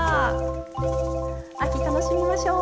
秋楽しみましょう。